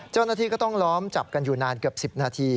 เจ้าหน้าที่ก็ต้องล้อมจับกันอยู่นานเกือบ๑๐นาที